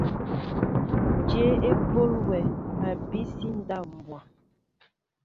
Jyéé e pɔl wɛ abisi ndáw mbwa ?